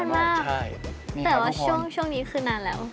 แต่ว่าช่วงนี้คือนานแล้ว